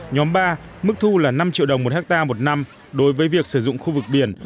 nhóm ba mức thu là năm triệu đồng một hectare một năm đối với việc sử dụng khu vực biển